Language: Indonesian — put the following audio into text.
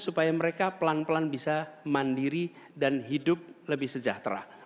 supaya mereka pelan pelan bisa mandiri dan hidup lebih sejahtera